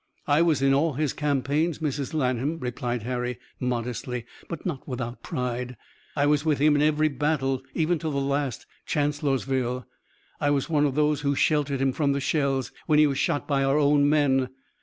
"I was in all his campaigns, Mrs. Lanham," replied Harry, modestly, but not without pride. "I was with him in every battle, even to the last, Chancellorsville. I was one of those who sheltered him from the shells, when he was shot by our own men.